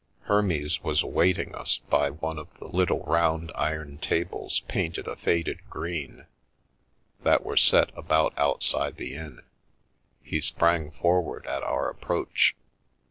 Hermes was awaiting us by one of the little round iron tables painted a faded green that were set about outside the inn. He sprang forward at our approach.